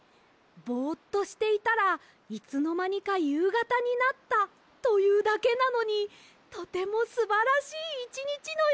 ぼっとしていたらいつのまにかゆうがたになったというだけなのにとてもすばらしいいちにちのようなきがしました！